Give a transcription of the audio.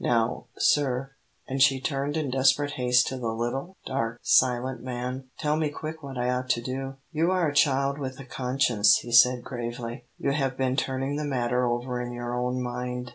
Now, sir," and she turned in desperate haste to the little, dark, silent man, "tell me quick what I ought to do." "You are a child with a conscience," he said, gravely; "you have been turning the matter over in your own mind.